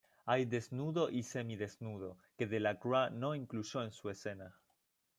Hay desnudo y semidesnudo, que Delacroix no incluyó en su escena.